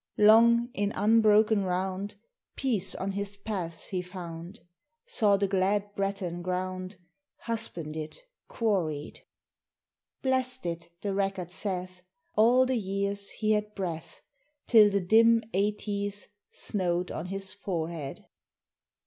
Long, in unbroken round, Peace on his paths he found; Saw the glad Breton ground Husbanded, quarried: Blessed it, the record saith, All the years he had breath, Till the dim eightieth Snowed on his forehead.